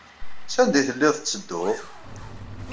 Sanda ay telliḍ tettedduḍ?